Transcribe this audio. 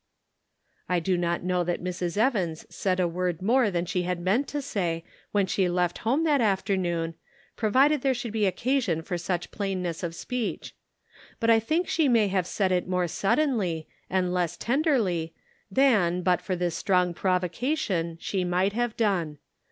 " I do not know that Mrs. Evans said a word more than she had meant to say when she left home that afternoon, provided there should be occasion for such plainness of speech ; but I think she may have said it more suddenly, and less tenderly, than, but for this strong provocation she might have done.